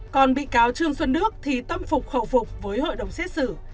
còn bị cáo trương xuân đức thì tâm phục khẩu phục với hội đồng xét xử